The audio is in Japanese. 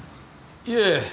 いえ。